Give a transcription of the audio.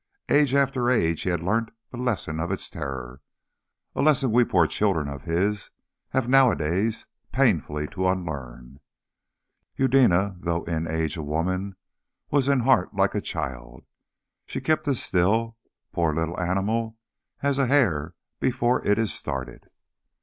Age after age he had learnt the lesson of its terror a lesson we poor children of his have nowadays painfully to unlearn. Eudena, though in age a woman, was in heart like a little child. She kept as still, poor little animal, as a hare before it is started.